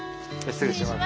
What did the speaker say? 失礼します。